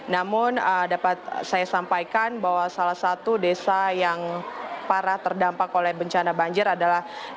namun dapat saya sampaikan bahwa salah satu desa yang parah terdampak oleh bencana banjir adalah